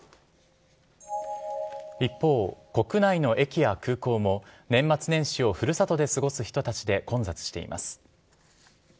一方国内の駅や空港も年末年始を古里で過ごす人たちで混雑しています。